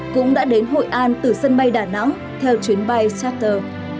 cũng đã đến hội an từ sân bay đà nẵng theo chuyến bay sarter